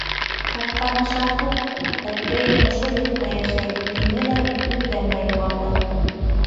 Ҡапҡаны шаҡы, әткәйең ошо йортта йәшәй, - тине лә күҙҙән дә юғалды.